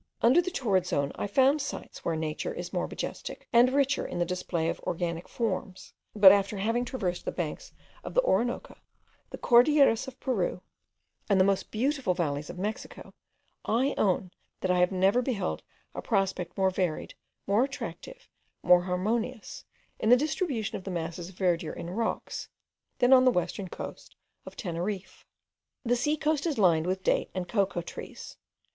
Under the torrid zone I found sites where nature is more majestic, and richer in the display of organic forms; but after having traversed the banks of the Orinoco, the Cordilleras of Peru, and the most beautiful valleys of Mexico, I own that I have never beheld a prospect more varied, more attractive, more harmonious in the distribution of the masses of verdure and of rocks, than the western coast of Teneriffe. The sea coast is lined with date and cocoa trees.